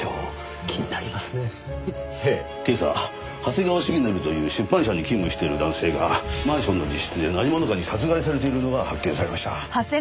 今朝長谷川重徳という出版社に勤務している男性がマンションの自室で何者かに殺害されているのが発見されました。